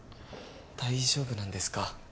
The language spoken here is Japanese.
大丈夫なんですか？